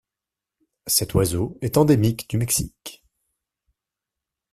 Cet oiseau est endémique du Mexique.